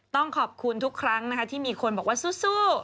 ต้องขอบคุณทุกครั้งนะคะที่มีคนบอกว่าสู้